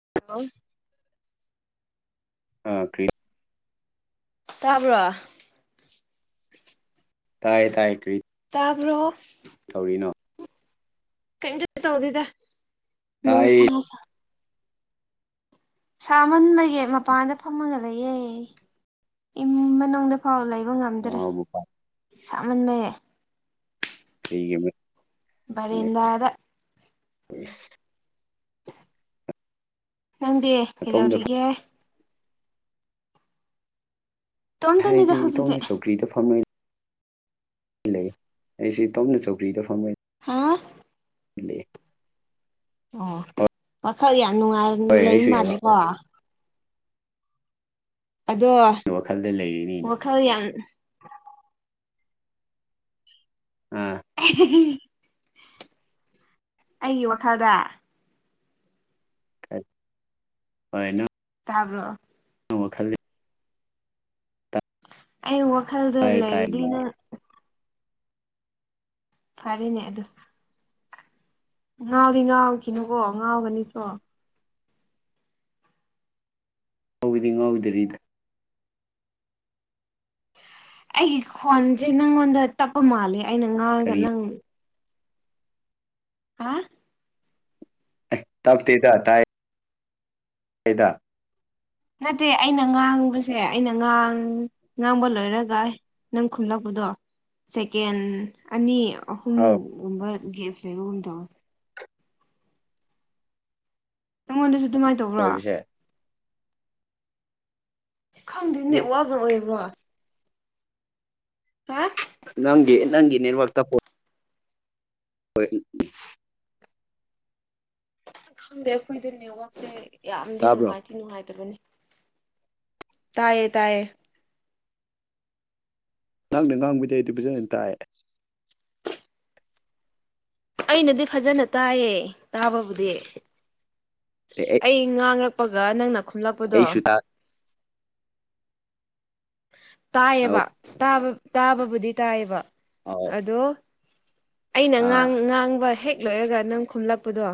[unintelligible] ꯀ꯭ꯔꯤ ꯇꯥꯕ꯭ꯔꯣ ꯇꯥꯏ ꯇꯥꯏ ꯀ꯭ꯔꯤ ꯇꯥꯕ꯭ꯔꯣ ꯇꯧꯏꯅꯣ ꯀꯩꯝꯇ ꯇꯧꯗꯦꯗ ꯅꯨꯡꯁꯥ ꯇꯥꯏ ꯁꯥꯃꯟꯕꯒꯤ ꯃꯄꯥꯟꯗ ꯐꯝꯃꯒ ꯂꯩꯌꯦ ꯏꯃ ꯃꯅꯨꯡꯗ ꯐꯥꯎ ꯂꯩꯕ ꯉꯝꯗ꯭ꯔꯦ ꯑꯍꯥꯎꯕ ꯄꯥꯏ ꯁꯥꯃꯟꯂꯦ [unintelligible] ꯃꯔꯝ- ꯕꯔꯦꯟꯗꯗꯥ ꯏꯁ ꯅꯪꯗꯤ ꯃꯇꯣꯝꯗ ꯀꯩꯗꯧꯔꯤꯒꯦ ꯏꯇꯣꯝꯇꯅꯤꯗ ꯍꯥꯏꯗꯤ ꯍꯧꯖꯤꯛꯇꯤ ꯏꯇꯣꯝꯗ ꯆꯧꯀ꯭ꯔꯤꯗ ꯐꯝꯃꯤ ꯂꯩ ꯑꯩꯁꯤ ꯏꯇꯣꯝꯗ ꯆꯧꯀ꯭ꯔꯤꯗ ꯐꯝꯃꯦ ꯍꯥꯥ [unintelligible] ꯑꯣ ꯍꯣꯏ ꯋꯈꯜ ꯌꯥꯝ ꯅꯨꯡꯉꯥꯏ ꯍꯣꯏ ꯂꯩꯕ ꯑꯩꯁꯨ ꯃꯥꯜꯂꯦꯀꯣ ꯑꯗꯣ ꯋꯥꯈꯜꯗ ꯂꯩꯔꯤꯅꯤ ꯋꯥꯈꯜ ꯌꯥꯝ ꯑꯥ ꯑꯩꯒꯤ ꯋꯥꯈꯜꯗ ꯍꯅ ꯇꯥꯕ꯭ꯔꯣ ꯈꯦ ꯑꯩ ꯋꯥꯈꯜꯗ ꯇꯥꯏ ꯇꯥꯏꯅꯤꯅꯦ ꯂꯩꯔꯤꯗꯤꯅ ꯐꯔꯦꯅꯦ ꯑꯗꯨ ꯉꯥꯎꯗꯤ ꯉꯥꯎꯈꯤꯅꯨꯕꯣ ꯉꯥꯎꯒꯅꯤꯁꯨꯣ ꯍꯕꯨꯗꯤ ꯉꯥꯎꯗ꯭ꯔꯤꯗ ꯑꯩꯒꯤ ꯈꯣꯟꯁꯦ ꯅꯪꯉꯣꯟꯗ ꯇꯞꯄ ꯃꯥꯜꯂꯦ ꯑꯩꯅ ꯉꯥꯡꯔꯒ ꯀꯔꯤ ꯅꯪ ꯍꯥꯥ ꯇꯞꯗꯤ ꯇ ꯇꯦ ꯀꯗ ꯅꯠꯇꯦ ꯑꯩꯅ ꯉꯥꯡꯕꯁꯦ ꯑꯩꯅ ꯉꯥꯡ ꯉꯥꯡꯕ ꯂꯣꯏꯔꯒ ꯅꯪ ꯈꯨꯝꯂꯛꯄꯗꯣ ꯁꯦꯀꯦꯟ ꯑꯅꯤ ꯑꯧ ꯑꯍꯨꯝꯒꯨꯝꯕ ꯒꯦꯞ ꯂꯩꯕꯒꯨꯝꯗꯧ ꯅꯪꯉꯣꯟꯗꯁꯨ ꯑꯗꯨꯃꯥꯏꯅ ꯇꯧꯕ꯭ꯔꯣ ꯑꯣꯏꯕꯁꯦ ꯗꯤ ꯈꯪꯗꯦꯅꯦ ꯋꯥꯕ꯭ꯔ ꯑꯣꯏꯕ꯭ꯔꯣ ꯄꯥꯛ ꯅꯪꯦ ꯅꯪꯒꯤ ꯅꯅ ꯋꯥ ꯇꯄꯣ ꯍꯣꯏ ꯎꯝ ꯈꯪꯗꯦ ꯑꯩꯈꯣꯏꯗꯦ ꯅꯦꯋꯥꯛꯁꯦ ꯌꯥꯝꯗꯤ ꯇꯥꯕ꯭ꯔꯣ ꯅꯨꯡꯉꯥꯏꯇꯦ ꯅꯨꯡꯉꯥꯏꯇꯕꯅꯤ ꯇꯥꯏꯌꯦ ꯇꯥꯏꯌꯦ ꯉꯍꯥꯛꯅ ꯉꯥꯡꯕꯕꯨꯗꯤ ꯑꯩ ꯑꯗꯨ ꯐꯖꯅ ꯇꯥꯏꯌꯦ ꯑꯩꯅꯗꯤ ꯐꯖꯅ ꯇꯥꯏꯌꯦ ꯇꯥꯕꯕꯨꯗꯤ ꯑꯩ ꯉꯥꯡꯔꯛꯄꯒ ꯅꯪꯅ ꯈꯨꯝꯂꯛꯄꯗꯣ ꯑꯩꯁꯨ ꯇꯥꯏ ꯇꯥꯦ ꯑꯧ ꯇꯥꯕ ꯇꯥꯕꯕꯨꯗꯤ ꯇꯥꯕ ꯑꯧ ꯑꯗꯣ ꯑꯥ ꯑꯩꯅꯥꯡ ꯉꯥꯡꯕ ꯍꯦꯛ ꯂꯣꯏꯔꯒ ꯅꯪ ꯈꯨꯝꯂꯛꯄꯗꯣ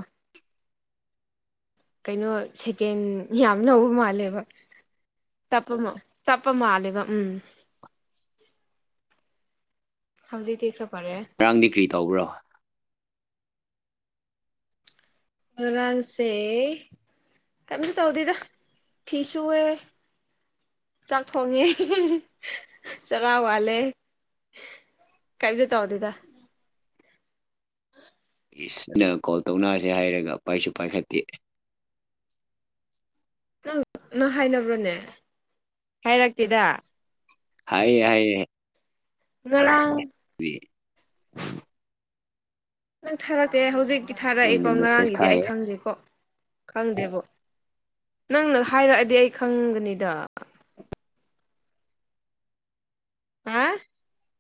ꯀꯩꯅꯣ ꯁꯦꯀꯦꯟ ꯌꯥꯝ ꯂꯧꯕ ꯃꯥꯜꯂꯦꯕ ꯇꯄꯃ ꯇꯄ ꯃ ꯃꯥꯂꯤꯕ ꯎꯝ ꯍꯧꯖꯤꯛꯗꯤꯤꯈ꯭ꯔ ꯐꯔꯦ ꯉꯔꯥꯡꯗꯤ ꯀꯔꯤ ꯇꯧꯕ꯭ꯔꯣ ꯉꯔꯥꯡꯁꯦ ꯀꯝꯇ ꯇꯧꯗꯦꯗ ꯐꯤ ꯁꯨꯑꯦ ꯆꯥꯛ ꯊꯣꯡꯉꯦ ꯆꯔꯥ ꯋꯥꯜꯂꯦ ꯀꯩꯗ ꯇ ꯍꯗꯗ ꯁꯤꯅ ꯀꯣꯜ ꯇꯧꯅꯔꯁꯦ ꯍꯥꯏꯔꯒ ꯄꯥꯏꯁꯨ ꯄꯥꯏꯈꯠꯇꯦ ꯅꯪ ꯅꯪ ꯍꯥꯏꯅꯕ꯭ꯔꯣꯅꯦ ꯍꯥꯏꯔꯛꯇꯦꯗ ꯍꯥꯏꯌꯦ ꯍꯥꯏꯌꯦ ꯉ ꯎ ꯅꯪ ꯊꯥꯔꯛꯇꯦ ꯑꯩ ꯍꯧꯖꯤꯛꯇꯤ ꯊꯥꯔꯛꯏꯀꯣ ꯑꯩꯅ ꯃꯦꯁꯦꯁ ꯉꯔꯥꯡꯒꯤꯗꯤ ꯑꯩ ꯊꯥꯏꯌꯦ ꯈꯪꯗꯦꯀꯣ ꯈꯪꯗꯦꯕ ꯅꯪꯅ ꯍꯥꯏꯔꯛꯑꯗꯤ ꯑꯩ ꯈꯪꯒꯅꯤꯗ ꯍꯥ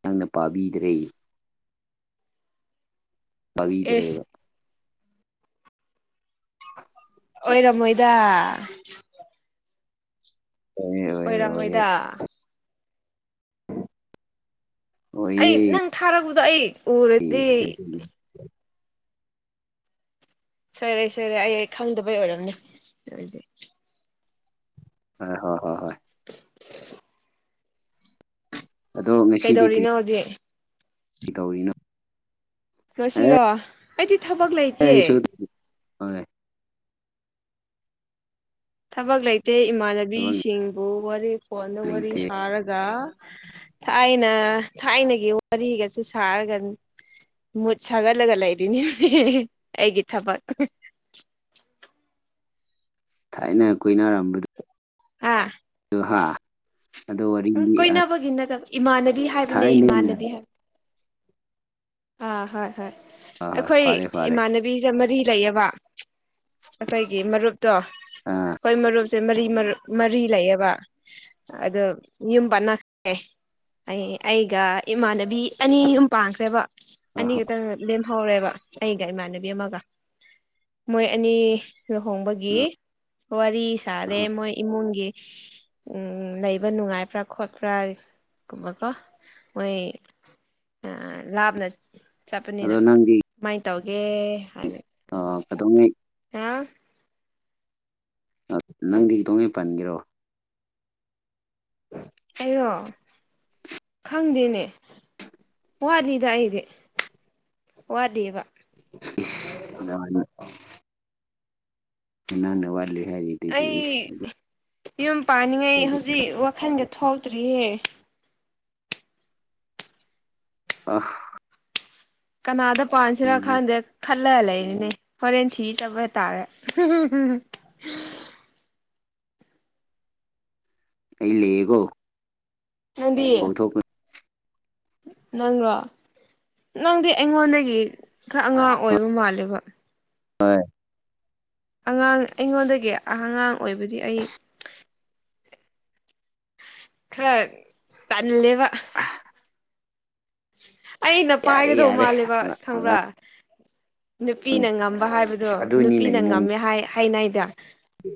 ꯅꯪꯅ ꯄꯥꯕꯤꯗ꯭ꯔꯦ ꯑꯦ ꯀꯕꯤꯗ꯭ꯔꯦꯕ ꯑꯣꯏꯔꯝꯃꯣꯏꯗ ꯑꯣꯏꯌꯦ ꯑꯣꯏꯌꯦ ꯑꯣꯏꯌꯦ ꯑꯣꯏꯔꯝꯃꯣꯏꯗ ꯑꯩ ꯑꯣꯏꯌꯦ ꯍꯣꯏ ꯅꯪ ꯊꯥꯔꯛꯄꯗꯣ ꯑꯩ ꯎꯔꯗꯤ ꯁꯔꯦ ꯁꯔꯦ ꯑꯩ ꯈꯪꯗꯕꯩ ꯑꯣꯏꯔꯝꯅꯤ ꯍ ꯍꯣꯏ ꯍꯣꯏ ꯍꯣꯏ [inaudible] ꯑꯗꯣ ꯀꯩꯗꯧꯔꯤꯅꯣ ꯍꯧꯖꯤꯛ ꯀ ꯇꯧꯔꯤꯅ ꯉꯁꯤꯔꯣ ꯑꯩꯗꯤ ꯊꯕꯛ ꯂꯩ ꯑꯦ ꯑꯩꯁꯨꯗ ꯍ ꯊꯕꯛ ꯂꯩꯇꯦ ꯊꯕꯛ ꯏꯃꯥꯟꯅꯕꯤꯁꯤꯡꯕꯨ ꯋꯥꯔꯤ ꯐꯣꯟꯗ ꯋꯥꯔꯤ ꯂꯩꯇꯦ ꯁꯥꯔꯒ ꯊꯥꯏꯅ ꯊꯥꯏꯅꯒꯤ ꯋꯥꯔꯤꯒꯁꯦ ꯁꯥꯔꯒꯅꯤ ꯃꯨꯠ ꯁꯥꯒꯠꯂꯒ ꯂꯩꯔꯤꯅꯤ ꯑꯩꯒꯤ ꯊꯕꯛ ꯊꯥꯏꯅ ꯀꯣꯏꯅꯔꯝꯕꯗꯣ ꯑꯥ ꯑꯍ ꯎ ꯀꯣꯏꯅꯕꯒꯤ ꯅꯠꯇꯕ ꯏꯃꯥꯟꯅꯕꯤ ꯍꯥꯏꯕꯅꯦ ꯊꯥꯏꯅ ꯏꯃꯥꯟꯅꯕꯤ ꯍꯥꯏꯕ ꯑꯥ ꯍꯣꯏ ꯍꯣꯏ ꯍꯣꯏ ꯍꯣꯏ ꯑꯩꯈꯣꯏ ꯐꯔꯦ ꯐꯔꯦ ꯏꯃꯥꯟꯅꯕꯤ ꯕꯤꯁꯦ ꯃꯔꯤ ꯂꯩꯌꯦꯕ ꯑꯩꯈꯣꯏꯒꯤ ꯃꯔꯨꯞ ꯇꯣ ꯑꯥ ꯍꯣꯏ ꯃꯔꯨꯞꯁꯦ ꯃꯔꯤ ꯃꯔꯤ ꯂꯩꯌꯦꯕ ꯑꯗ ꯏꯨꯝ ꯄꯅꯥꯦ ꯑꯩꯒ ꯏꯃꯥꯟꯅꯕꯤ ꯑꯅꯤ ꯑꯨꯝ ꯄꯥꯡꯈ꯭ꯔꯦꯕ ꯍꯣꯏ ꯑꯅꯤ ꯈꯛꯇꯪ ꯂꯦꯝꯍꯧꯔꯦꯕ ꯑꯩꯒ ꯏꯃꯥꯟꯅꯕꯤ ꯑꯃꯒ ꯃꯣꯏ ꯑꯅꯤ ꯂꯨꯍꯣꯡꯕꯒꯤ ꯋꯥꯔꯤ ꯁꯥꯔꯦ ꯍꯣꯏ ꯃꯣꯏ ꯏꯃꯨꯡꯒꯤ ꯎꯝ ꯂꯩꯕ ꯅꯨꯡꯉꯥꯏꯕ꯭ꯔꯥ ꯈꯣꯠꯄ꯭ꯔꯥ ꯀꯨꯝꯃꯀꯣ ꯑꯣꯏꯣꯏ ꯑ ꯂꯥꯚ ꯅ ꯑꯗꯣ ꯆꯠꯄꯅꯤꯅ ꯅꯪꯗꯤ ꯀꯃꯥꯏꯅ ꯇꯧꯒꯦ ꯍꯥꯏꯅ ꯑ ꯀꯗꯧꯉꯩ ꯍꯥ ꯅꯪꯗꯤ ꯈꯤꯇꯣꯡꯉ ꯄꯟꯒꯔꯣ ꯎꯝ ꯑꯩꯔꯣ ꯈꯪꯗꯦꯅꯦ ꯋꯥꯂꯤꯗ ꯏꯦ ꯋꯥꯂꯤꯕ ꯅ ꯍꯅꯥꯅ ꯋꯥꯠꯂꯤ ꯍꯥꯏꯔꯤ ꯑꯩ ꯌꯨꯝ ꯄꯥꯅꯤꯡꯉꯩ ꯑꯗꯨꯗꯤ ꯍꯧꯖꯤꯛ ꯋꯥꯈꯜꯒ ꯊꯣꯛꯇ꯭ꯔꯤꯌꯦ ꯑꯐ ꯀꯅꯥꯗ ꯄꯥꯟꯁꯤꯔꯥ ꯎꯝ ꯈꯥꯟꯗꯦ ꯈꯠꯂ ꯂꯩꯅꯤꯅꯦ ꯍꯣꯔꯦꯟ ꯊꯤ ꯆꯠꯄ ꯍꯥꯏꯇꯥꯔꯦ ꯑꯩ ꯂꯩꯒꯣ ꯍꯥꯏꯗꯤ ꯅꯪꯔꯣ ꯅꯪꯗꯤ ꯑꯩꯉꯣꯟꯗꯒꯤ ꯈꯔ ꯑꯉꯥꯡ ꯑꯣꯏꯕ ꯃꯥꯜꯂꯦꯕ ꯍꯣꯏ ꯑꯉꯥꯡ ꯑꯩꯉꯣꯟꯗꯒꯤ ꯑꯉꯥꯡ ꯑꯣꯏꯕꯗꯤ ꯑꯩ ꯑꯁ ꯈꯔ ꯇꯜꯂꯦꯕ ꯑꯩꯅ ꯌꯥꯔꯦ ꯄꯥꯏꯒꯗꯧ ꯌꯥꯔꯦ ꯃꯥꯜꯂꯦꯕ ꯈꯪꯕ꯭ꯔꯥ ꯅꯨꯄꯤꯅ ꯉꯝꯕ ꯍꯥꯏꯕꯗꯣ ꯑꯁ ꯑꯗꯨꯅꯤꯅꯦ ꯅꯨꯄꯤꯅ ꯉꯝꯃꯦ ꯍꯥꯏ ꯍꯥꯏꯥꯏꯅꯥꯏꯗ ꯎꯝ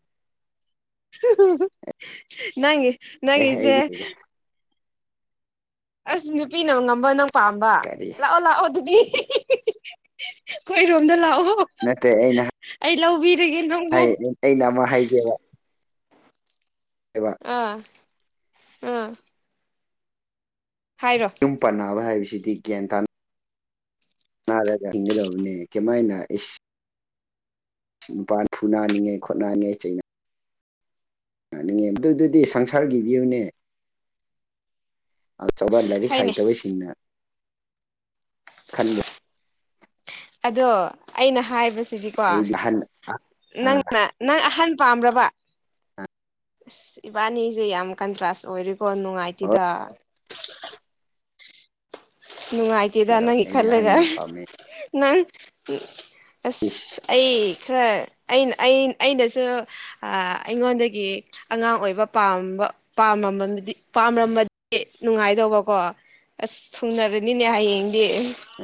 ꯅꯪ ꯑꯦ ꯅꯪꯪꯁꯦ ꯑꯩꯗꯤꯗ ꯑꯁ ꯅꯨꯄꯤꯅ ꯉꯝꯕ ꯅꯪ ꯄꯥꯝꯕ ꯀꯔꯤ ꯂꯥꯛꯑꯣ ꯂꯥꯛꯑꯣ ꯑꯗꯨꯗꯤ ꯑꯩꯈꯣꯏꯔꯣꯝꯗ ꯂꯥꯛꯑꯣ ꯅꯠꯇꯦ ꯑꯩꯩꯅ ꯑꯩ ꯂꯕꯤꯔꯒꯦꯅꯣ ꯍꯥꯏ ꯑꯩꯅ ꯑꯃꯛ ꯍꯥꯏꯒꯦꯕ ꯑꯦꯕ ꯑꯥ ꯑꯥ ꯍꯥꯏꯔꯣ ꯌꯨꯝ ꯄꯅꯕ ꯍꯥꯏꯕꯁꯤꯗꯤ ꯭ꯌꯥꯟ ꯇꯥ ꯅꯥꯔꯒ ꯍꯤꯡꯒꯗꯧꯕꯅꯦ ꯀꯃꯥꯏꯅ ꯏꯁ ꯅꯨꯄꯜ ꯐꯨ ꯅꯥꯅꯤꯡꯉꯦ ꯈꯣꯠꯅꯅꯤꯡꯉꯦ ꯆꯩ ꯌꯥꯅꯤꯡꯉꯦ ꯑꯗꯨꯗꯨꯗꯤ ꯁꯪꯁꯥꯔꯒꯤꯕꯤꯌꯨꯅꯦ ꯑꯆꯧꯕ ꯂꯥꯏꯔꯤꯛ ꯍꯥꯏꯅꯦ ꯍꯩꯇꯕꯁꯤꯡꯅ ꯈꯟꯕ ꯑꯗꯣ ꯑꯩꯅ ꯍꯥꯏꯕꯁꯤꯗꯤꯀꯣ ꯑꯩꯗꯤ ꯑꯍꯟ ꯑꯥ ꯅꯪꯅ ꯅꯪ ꯑꯍꯟ ꯄꯥꯕ ꯑꯁ ꯏꯕꯥꯅꯤꯁꯦ ꯌꯥꯝ ꯀꯟꯇ꯭ꯔꯥꯁ ꯑꯣꯏ ꯀꯣ ꯅꯨꯡꯉꯥꯏꯇꯦꯗ ꯅꯨꯡꯉꯥꯏ ꯗ ꯍꯥꯏꯖꯔꯣ ꯅꯪ ꯑꯩꯗꯤ ꯑꯍꯟ ꯈꯜꯂꯒ ꯌꯥꯝ ꯄꯥꯝꯃꯦ ꯅꯪ ꯏꯁ ꯑꯁ ꯑꯩ ꯈꯔ ꯑꯩꯅ ꯑꯩꯅꯁꯨ ꯑꯩꯉꯣꯟꯗꯒꯤ ꯑꯉꯥꯡ ꯑꯣꯏꯕ ꯄꯥꯝꯕ ꯄꯥ ꯄꯥꯝꯔꯝꯕꯗꯤ ꯅꯨꯡꯉꯥꯏꯗꯧꯕꯀꯣ ꯑꯁ ꯊꯨꯡꯅꯔꯅꯤꯅꯦ ꯍꯌꯦꯡꯗꯤ ꯑ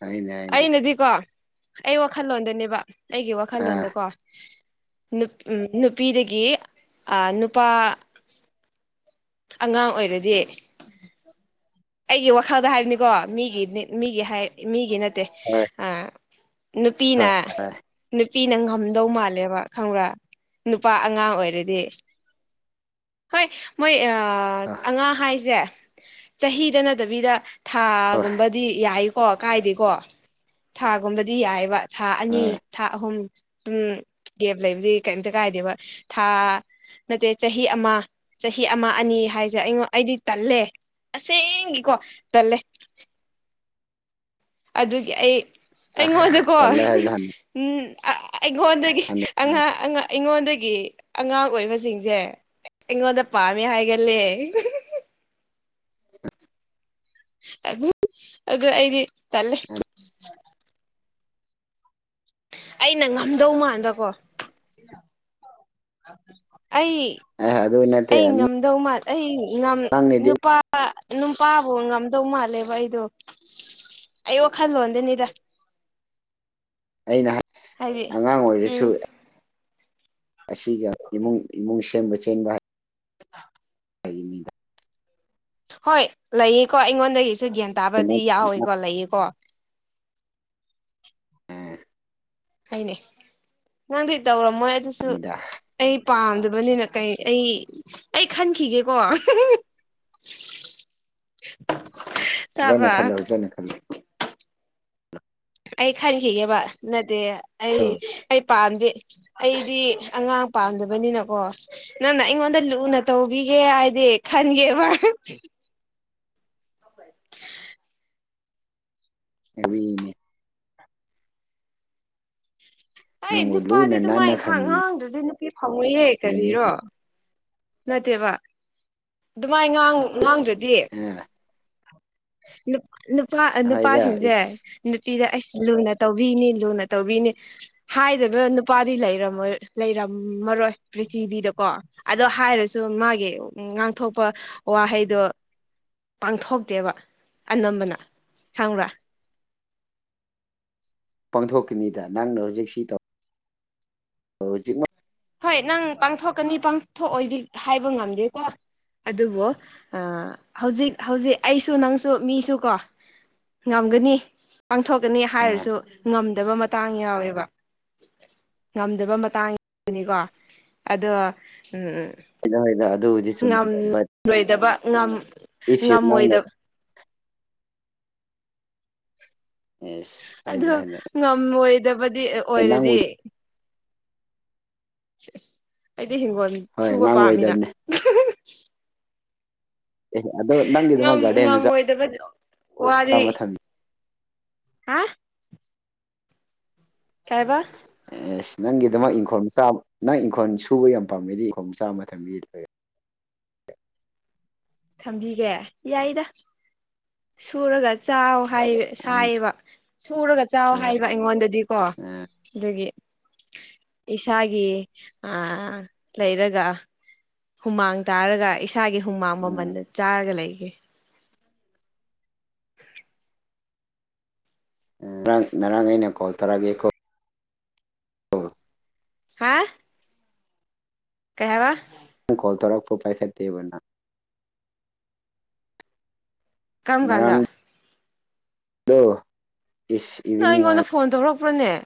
ꯍꯣꯏꯅꯦ ꯍꯣꯏꯅꯦ ꯑꯩꯅꯗꯤꯀꯣ ꯑꯩ ꯋꯥꯈꯜꯂꯣꯟꯗꯅꯦꯕ ꯑꯩꯒꯤ ꯑꯥ ꯋꯥꯈꯜꯂꯣꯟꯗꯀꯣ ꯅꯨꯄꯤꯗꯒꯤ ꯅꯨꯄꯥ ꯑꯉꯥꯡ ꯑꯣꯏꯔꯗꯤ ꯑꯩꯒꯤ ꯋꯥꯈꯜꯗ ꯍꯥꯏꯕꯅꯤꯀꯣ ꯃꯤꯒꯤ ꯃꯤꯒꯤ ꯍꯥꯏ ꯃꯤꯒꯤ ꯅꯠꯇꯦ ꯑꯗꯨꯦ ꯑ ꯅꯨꯄꯤꯅ ꯅꯨꯄꯤꯅ ꯉꯝꯗꯧ ꯃꯥꯜꯂꯦꯕ ꯈꯪꯕ꯭ꯔꯥ ꯅꯨꯄꯥ ꯑꯉꯥꯡ ꯑꯣꯏꯔꯗꯤ ꯍꯣꯏ ꯃꯣꯏ ꯑ ꯑ ꯍꯣꯏ ꯍꯣꯏ ꯗꯤ ꯌꯥꯏꯀꯣ ꯀꯥꯏꯗꯀꯣ ꯊꯥꯒꯨꯝꯕꯗꯤ ꯌꯥꯏꯑꯕ ꯊꯥ ꯑꯅꯤ ꯍꯣꯏ ꯊꯥ ꯑꯍꯨꯝ ꯎꯝ ꯒꯦꯞ ꯂꯩꯕꯗꯤ ꯀꯔꯤꯝꯇ ꯀꯥꯏꯗꯦꯕ ꯊꯥ ꯅꯠꯇꯦ ꯆꯍꯤ ꯑꯃ ꯆꯍꯤ ꯑꯃ ꯑꯅꯤ ꯍꯥꯏꯁꯦ ꯑꯩꯉꯣꯟ ꯑꯩꯗꯤ ꯇꯜꯂꯦ ꯑꯁꯦꯡꯒꯤꯀꯣ ꯇꯜꯂꯦ ꯑꯗꯨꯒꯤ ꯑꯩ ꯑ ꯑꯩꯉꯣꯟꯗꯀꯣ ꯇꯜꯂꯦ ꯍꯥꯏꯕꯗꯣ ꯎꯝ ꯑꯩꯉꯣꯟꯗꯒꯤ ꯍꯟꯅ ꯍꯟꯅ ꯑꯉꯥꯡ ꯑꯩꯉꯣꯟꯗꯒꯤ ꯑꯉꯥꯡ ꯑꯣꯏꯕꯁꯤꯡꯁꯦ ꯏꯉꯣꯟꯗ ꯄꯝꯃꯤ ꯍꯥꯏꯒ ꯂꯩꯦ ꯑ ꯑ ꯑꯩꯗꯤ ꯇꯂꯦ ꯑꯩꯅ ꯉꯝꯗꯧ ꯃꯥꯟꯥꯟꯕꯀꯣ ꯑꯩ ꯑꯦ ꯑꯗꯨ ꯅꯠꯇꯦ ꯑꯩ ꯉꯝꯗꯧꯃ ꯑꯩ ꯅꯪꯅꯗꯤ ꯅꯨꯄꯥ ꯅꯨꯄꯥꯕꯨ ꯉꯝꯗꯧ ꯃꯥꯜꯂꯦꯕ ꯑꯩꯗꯣ ꯑꯩ ꯋꯥꯈꯜꯂꯣꯟꯗꯅꯤꯗ ꯑꯩꯅ ꯍꯥꯏꯗꯤ ꯑꯉꯥꯡ ꯑꯣꯏꯔꯁꯨ ꯎꯝ ꯑꯁꯤꯒ ꯏꯃꯨꯡ ꯏꯃꯨꯡ ꯁꯦꯝꯕ ꯆꯦꯟꯕ ꯍꯥꯏ [unintelligible] ꯍꯣꯏ ꯂꯩꯌꯦꯀꯣ ꯑꯩꯉꯣꯟꯗꯒꯤꯁꯨ ꯒ꯭ꯌꯥꯟ ꯇꯥꯕꯗꯤ ꯌꯥꯎꯋꯦꯀꯣ ꯂꯩꯌꯦꯀꯣ ꯎꯝ ꯍꯥꯏꯅꯦ ꯅꯪꯗꯤ ꯇꯧꯔꯝꯃꯣꯏ ꯑꯗꯨꯁꯨ ꯍꯥꯏꯅꯤꯗ ꯑꯩ ꯄꯥꯝꯗꯕꯅꯤꯅ ꯀꯩ ꯑꯩ ꯑꯩ ꯈꯟꯈꯤꯒꯦꯀꯣ [unintelligible] ꯅ ꯈꯜꯂꯖꯅ ꯈꯜꯂꯨ ꯑꯩ ꯈꯟꯈꯤꯒꯦꯕ ꯅꯠꯇꯦ ꯈꯜꯂꯣ ꯑꯩ ꯄꯥꯝꯗꯦ ꯑꯩꯗꯤ ꯑꯉꯥꯡ ꯄꯥꯝꯗꯕꯅꯤꯅꯀꯣ ꯅꯪꯅ ꯑꯩꯉꯣꯟꯗ ꯂꯨꯅ ꯇꯧꯕꯤꯒꯦ ꯍꯥꯏꯗꯤ ꯈꯟꯒꯦꯕ ꯑꯦꯕꯤꯅꯦ ꯑꯩ ꯅꯪꯕꯨ ꯅꯨꯄꯥꯗꯤ ꯂꯨꯅ ꯑꯗꯨ ꯅꯥꯟꯅ ꯃꯥꯏꯍ ꯊꯝꯕꯤꯒꯅꯤ ꯉꯥꯡꯗ꯭ꯔꯗꯤ ꯅꯨꯄꯤ ꯐꯪꯉꯨꯌꯦꯦ ꯀꯔꯤꯔꯣ ꯅꯠꯇꯕ ꯑꯗꯨꯃꯥꯏꯅ ꯉꯥꯡꯗ꯭ꯔꯗꯤ [unintelligible] ꯅꯨꯄꯥ ꯑ ꯍꯣꯏꯗ ꯅꯨꯄꯥꯁꯤꯡꯁꯦ꯫ ꯏꯁ ꯅꯨꯄꯤꯗ ꯑꯩꯁ ꯂꯨꯅ ꯇꯧꯕꯤꯅꯤ ꯂꯨꯅ ꯇꯧꯕꯤꯅꯤ꯫ ꯍꯥꯏꯗꯕ ꯅꯨꯄꯥꯗꯤ ꯂꯩꯝꯃ ꯂꯩꯔꯝꯃꯔꯣꯏ ꯄ꯭ꯔꯤꯊꯤꯕꯤꯗꯀꯣ ꯑꯗꯣ ꯍꯥꯏꯔꯁꯨ ꯃꯥꯒꯤ ꯉꯥꯡꯊꯣꯛꯄ ꯋꯥꯍꯩꯗꯣ ꯄꯥꯡꯊꯣꯛꯇꯦꯕ ꯑꯅꯝꯕꯅ ꯈꯪꯕ꯭ꯔꯥ ꯄꯥꯡꯊꯣꯛꯀꯅꯤꯗ ꯅꯪꯅ ꯍꯧꯖꯤꯛ ꯁꯤ ꯇꯧ ꯍꯧꯖꯤꯛ ꯍꯣꯏ ꯅꯪ ꯄꯥꯡꯊꯣꯛꯀꯅꯤ ꯄꯥꯡꯊꯣꯛꯑꯣꯏꯗꯤ ꯍꯥꯏꯕ ꯉꯝꯗꯦꯗ ꯑꯗꯨꯕꯨ ꯍꯧꯖꯤꯛ ꯍꯧꯖꯤꯛ ꯑꯩꯁꯨ ꯅꯪꯁꯨ ꯃꯤꯁꯨ ꯀꯣ ꯉꯝꯒꯅꯤ ꯄꯥꯡꯊꯣꯛꯀꯅꯤ ꯍꯥꯏꯔꯁꯨ ꯉꯝꯗꯕ ꯃꯇꯥꯡ ꯌꯥꯎꯋꯦꯕ ꯉꯝꯗꯕ ꯃꯇꯥꯡꯗꯨꯅꯤꯀꯣ ꯑꯗꯣ ꯎ ꯍꯣꯏꯗ ꯍꯣꯏꯗ ꯑꯗꯨꯕꯨꯗꯤ ꯁꯨꯝꯃꯗ ꯕꯠ ꯉꯝ ꯏꯐ ꯌꯨ ꯅꯪꯅ ꯉꯝꯃꯣꯏꯗꯕ ꯑꯦꯁ ꯍꯣꯏꯗ ꯑꯗꯣ ꯍꯣꯏꯗ ꯉꯝꯃꯣꯏꯗꯕꯗꯤ ꯅꯪꯕꯨ ꯑꯣꯏꯔꯗꯤ ꯑꯗꯦ ꯍꯣꯟ ꯍꯣꯏ ꯉꯉꯥꯡ ꯂꯣꯏꯗꯕꯅꯤ꯫ ꯑꯗꯨꯗꯣ ꯅꯪ ꯉ ꯉꯝꯃꯣꯏꯗꯕ ꯋꯥꯔꯤ ꯑꯃ ꯊꯝꯕꯤ ꯍꯥ ꯀꯥꯏꯕ ꯑꯦꯁ ꯅꯪꯒꯤ ꯑꯗꯨꯃꯛ ꯏꯪꯈꯣꯜ ꯃ ꯅꯪ ꯏꯪꯈꯣꯜ ꯁꯨꯕ ꯌꯥꯝ ꯄꯥꯝꯃꯦꯩꯗꯤ ꯏꯪꯈꯣꯜ ꯃꯆꯥ ꯃꯇꯝ ꯊꯝꯕꯤ ꯊꯝꯕꯤꯒꯦ ꯌꯥꯏꯗ ꯁꯨꯔꯒ ꯆꯥꯎ ꯍꯥꯏ ꯑꯩꯅ ꯁꯥꯏꯑꯕ ꯁꯨꯔꯒ ꯆꯥꯎ ꯍꯥꯏꯕ ꯑꯩꯉꯣꯟꯗꯗꯤꯀꯣ ꯑ ꯑꯗꯨꯒꯤ ꯏꯁꯥꯒꯤ ꯂꯩꯔꯒ ꯍꯨꯃꯥꯡ ꯇꯥꯔꯒ ꯏꯁꯥꯒꯤ ꯍꯨꯃꯥꯡ ꯎꯝ ꯃꯃꯜꯗ ꯆꯥꯔꯒ ꯂꯩꯒꯦ꯫ ꯉꯔꯥꯡ ꯉꯔꯥꯡ ꯑꯩꯅ ꯀꯣꯜ ꯇꯧꯔꯛꯑꯒꯦꯀꯣ ꯅꯪ ꯍꯥ ꯀꯩ ꯍꯥꯏꯕꯥ ꯅꯪ ꯀꯣꯜ ꯇꯧꯔꯛꯄ ꯄꯥꯏꯈꯠꯇꯦꯕ ꯅꯪ ꯀꯝ ꯀꯥꯟꯟꯗ ꯑꯗꯣ ꯌꯦ ꯅꯪ ꯏꯚꯅꯤꯡ ꯋꯥꯏ ꯑꯩꯉꯣꯟꯗ ꯐꯣꯟ ꯇꯧꯔꯛꯄ꯭ꯔꯅꯦ꯫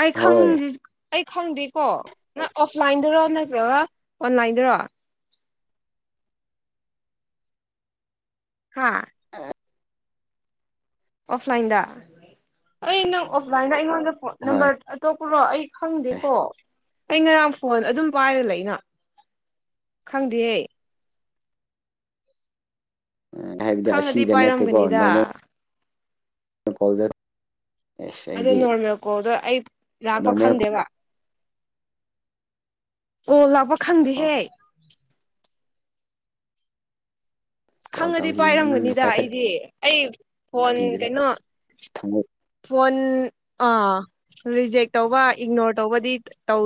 ꯑꯥꯏ ꯈꯪ ꯍꯣꯏ ꯑꯩ ꯈꯪꯗꯦꯀꯣ ꯅꯪ ꯑꯣꯐꯂꯥꯏꯟꯗꯔꯣ ꯅꯠꯇ꯭ꯔꯒ ꯑꯣꯟꯂꯥꯏꯟꯗ ꯍꯥ [inaudible] ꯑꯣꯐꯂꯥꯏꯟꯗ ꯑꯩ ꯅꯪ ꯑꯣꯐꯂꯥꯏꯟꯗ ꯑꯩꯉꯣꯟꯗ ꯐꯣꯟ ꯍꯣꯏ ꯅꯝꯕꯔꯇꯣꯞꯄ ꯄꯨꯔꯣ ꯑꯩ ꯈꯪꯗꯦꯀꯣ ꯑꯩ ꯉꯔꯥꯡ ꯐꯣꯟ ꯑꯗꯨꯝ ꯄꯥꯏꯔ ꯂꯩꯩꯅ ꯈꯪꯗꯦꯍꯦ꯫ ꯍꯥꯏꯕꯗꯤ ꯈꯪꯉꯗꯤ ꯑꯁꯤꯗ ꯅꯠꯇꯦꯀꯣ ꯄꯥꯏꯔꯝꯒꯅꯤꯗ ꯅꯣꯔꯃꯦꯜ ꯀꯣꯗꯥ꯫ ꯑꯗꯨ ꯅꯣꯔꯃꯦꯜ ꯀꯣꯜꯗꯣ ꯑꯩ ꯂꯥꯛꯄ ꯅꯣꯔꯃꯦꯜ ꯈꯪꯗꯦꯕ ꯀꯣꯂ ꯂꯥꯛꯄ ꯈꯪꯗꯦꯍꯦ꯫ ꯀꯣꯜ ꯈꯪꯉꯗꯤ ꯇꯧꯈꯤꯕꯅꯤ ꯅꯪꯅ ꯄꯥꯏꯔꯝꯒꯅꯤꯗ ꯄꯥꯏꯈꯠꯄꯤꯗ꯭ꯔꯦ ꯑꯩꯗꯤ ꯑꯩ ꯐꯣꯟ ꯀꯩꯅꯣ ꯊꯃꯣꯏ ꯐꯣꯟ ꯑꯥ ꯔꯤꯖꯦꯛ ꯇꯧꯕ ꯏꯒꯅꯣꯔ ꯇꯧꯕꯗꯤ ꯇꯧ